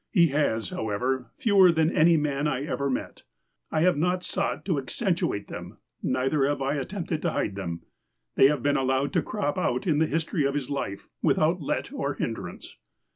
He has, however, fewer than any man I ever met. I have not sought to accentuate them ; neither have I at tempted to hide them. They have been allowed to crop out in the history of his life, without let or hindrance.